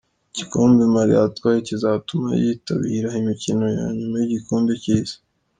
Igikombe Mali yatwaye kizatuma yitabira imikino ya nyuma y'igikombe cy'isi.